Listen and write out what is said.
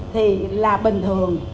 thì là bình thường